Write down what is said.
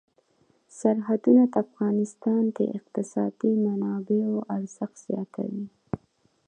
سرحدونه د افغانستان د اقتصادي منابعو ارزښت زیاتوي.